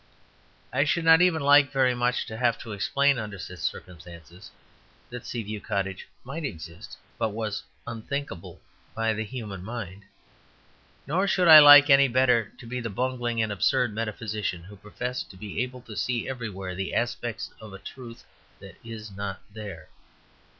I should not even like very much to have to explain, under such circumstances, that Sea View Cottage might exist, but was unthinkable by the human mind. Nor should I like any better to be the bungling and absurd metaphysician who professed to be able to see everywhere the aspects of a truth that is not there.